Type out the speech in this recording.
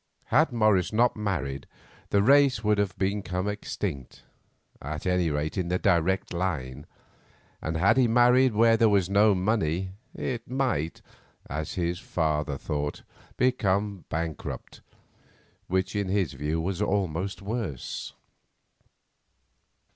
Had Morris not married the race would have become extinct, at any rate in the direct line; and had he married where there was no money, it might, as his father thought, become bankrupt, which in his view was almost worse.